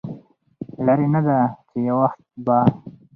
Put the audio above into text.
لرې نه ده چې يو وخت به